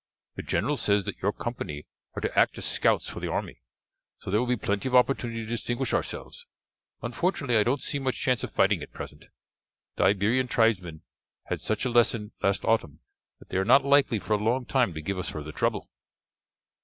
The general says that your company are to act as scouts for the army, so there will be plenty of opportunity to distinguish ourselves. Unfortunately I don't see much chance of fighting at present. The Iberian tribesmen had such a lesson last autumn that they are not likely for a long time to give us further trouble."